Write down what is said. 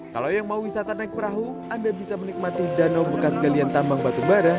kalau yang mau wisata naik perahu anda bisa menikmati danau bekas galian tambang batubara